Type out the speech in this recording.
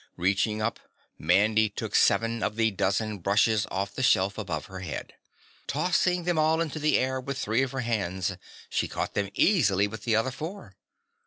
Reaching up, Mandy took seven of the dozen brushes off the shelf above her head. Tossing them all into the air with three of her hands, she caught them easily with the other four.